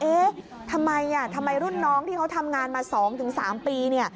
เอ๊ะทำไมทำไมรุ่นน้องที่เขาทำงานมา๒๓ปี